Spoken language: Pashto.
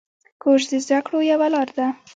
کورس د زده کړو یوه لاره ده.